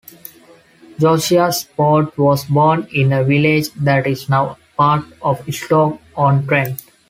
Josiah Spode was born in a village that is now part of Stoke-on-Trent.